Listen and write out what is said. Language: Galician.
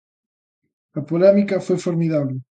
A polémica foi formidábel.